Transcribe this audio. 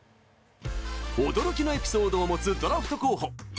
驚きのエピソードを持つドラフト候補